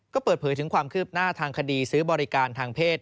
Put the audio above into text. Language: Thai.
ก็เปิดเผยถึงความคืบหน้าทางคดีซื้อบริการทางเพศ